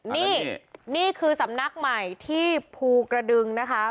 นี่นี่คือสำนักใหม่ที่ภูกระดึงนะคะ